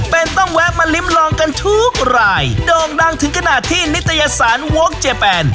เป็นต้องแวะมาลิ้มลองกันทุกรายโด่งดังถึงขนาดที่นิตยสารวกเจแปน